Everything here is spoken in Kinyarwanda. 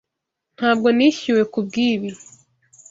Ntabwo nishyuwe kubwibi.